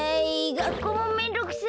がっこうもめんどくさい！